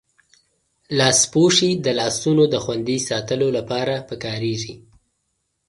لاسپوښي د لاسونو دخوندي ساتلو لپاره پکاریږی.